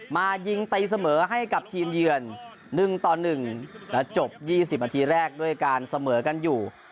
มายิงตัยเสมอให้กับทีมเยือนหนึ่งต่อหนึ่งแล้วจบยี่สิบนาทีแรกด้วยการเสมอกันอยู่